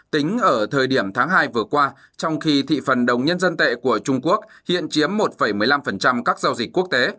tính ở thời điểm tháng hai vừa qua trong khi thị phần đồng nhân dân tệ của trung quốc hiện chiếm một một mươi năm các giao dịch quốc tế